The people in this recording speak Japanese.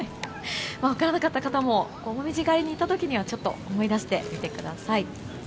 分からなかった方も今後、紅葉狩りに行かれた時はちょっと思い出してみてください。